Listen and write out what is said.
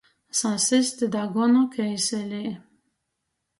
Sasist dagunu keiselī.